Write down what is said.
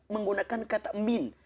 menggunakan kata min